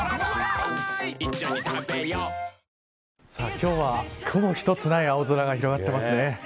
今日は雲一つない青空が広がっています。